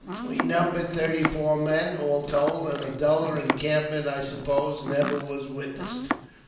We numbered thirty four men, all told, and a duller encamp ment, I suppose, never was witnessed.